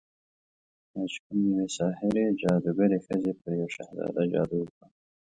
وايي چې يوې ساحرې، جادوګرې ښځې پر يو شهزاده جادو وکړ